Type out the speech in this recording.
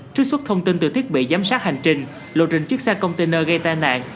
trước suốt thông tin từ thiết bị giám sát hành trình lộ trình chiếc xe container gây tai nạn